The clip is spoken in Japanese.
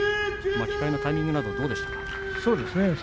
巻き替えのタイミングなどどうですか。